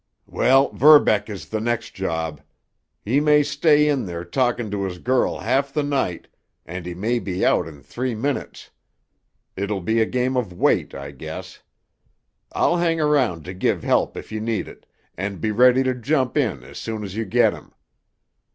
"Well, Verbeck is the next job. He may stay in there talkin' to his girl half the night, and he may be out in three minutes. It'll be a game of wait, I guess. I'll hang around to give help, if you need it, and be ready to jump in as soon as you get him.